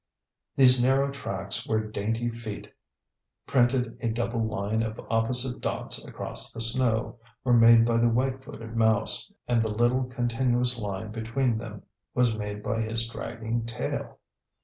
These narrow tracks where dainty feet printed a double line of opposite dots across the snow were made by the whitefooted mouse, and the little continuous line between them was made by his dragging tail.